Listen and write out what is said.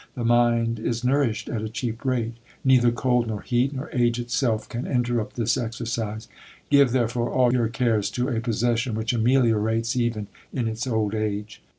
The mind is nourished at a cheap rate; neither cold nor heat, nor age itself, can interrupt this exercise; give therefore all your cares to a possession which ameliorates even in its old age!"